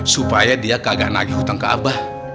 supaya dia kagak nagih hutang ke abah